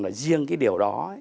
riêng cái điều đó